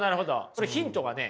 それヒントはね